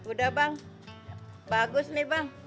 udah bang bagus nih bang